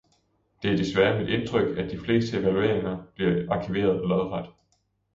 Det er desværre mit indtryk, at de fleste evalueringer bliver arkiveret lodret.